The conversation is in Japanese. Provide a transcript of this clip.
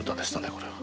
これは。